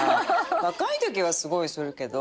若いときはすごいするけど。